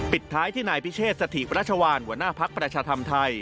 ปิดท้ายที่นายพิเชษสถิปรัชวานหัวหน้าภักดิ์ประชาธรรมไทย